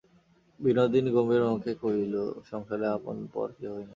বিনোদিনী গম্ভীরমুখে কহিল, সংসারে আপন-পর কেহই নাই।